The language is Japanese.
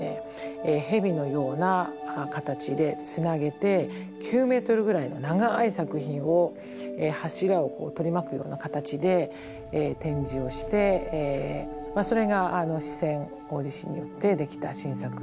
蛇のような形でつなげて９メートルぐらいの長い作品を柱を取り巻くような形で展示をしてそれが四川大地震によってできた新作というふうになりました。